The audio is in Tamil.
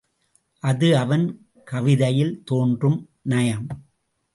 அது அவன் கவிதையில் தோன்றும் நயம்.